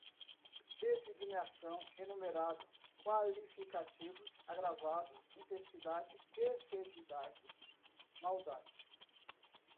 designação, enumerado, qualificativos, agravado, intensidade, perversidade, maldade